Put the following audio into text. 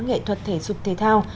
nghệ thuật thể dục thể thao